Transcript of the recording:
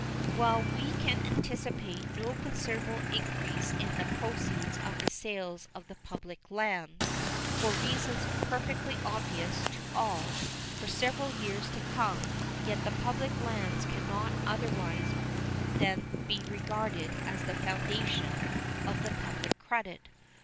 While we can anticipate no considerable increase in the proceeds of the sales of the public lands, for reasons perfectly obvious to all, for several years to come, yet the public lands can not otherwise than be regarded as the foundation of the public credit.